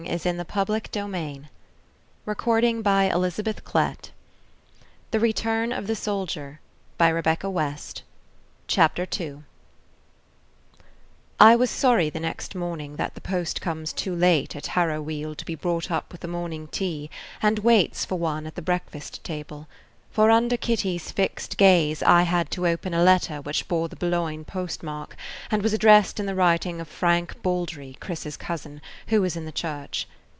"What does that matter?" she wailed. "If he could send that telegram, he is no longer ours." [Page 34] CHAPTER II I WAS sorry the next morning that the post comes too late at Harrowweald to be brought up with the morning tea and waits for one at the breakfast table; for under Kitty's fixed gaze I had to open a letter which bore the Boulogne postmark and was addressed in the writing of Frank Baldry, Chris's cousin, who is in the church.